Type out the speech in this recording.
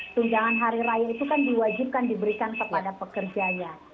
tunjangan hari raya itu kan diwajibkan diberikan kepada pekerjanya